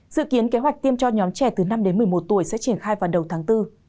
dự kiến kế hoạch tiêm cho nhóm trẻ từ năm đến một mươi một tuổi sẽ triển khai vào đầu tháng bốn